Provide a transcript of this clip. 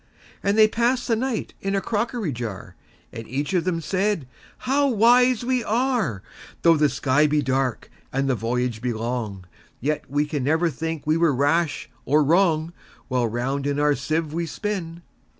And they pass'd the night in a crockery jar; And each of them said, "How wise we are! Though the sky be dark, and the voyage be long, Yet we never can think we were rash or wrong, While round in our sieve we spin."